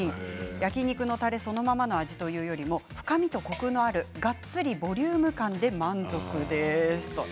焼き肉のたれそのままの味というよりも、深みとコクのあるがっつりボリューム感で大満足です。